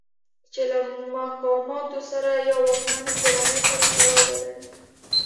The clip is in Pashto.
چې له مقاماتو سره یا واکمنې کورنۍ سره تړاو ولرئ.